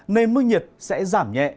nên mức nhiệt sẽ giảm nhẹ